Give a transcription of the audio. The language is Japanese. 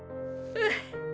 うん。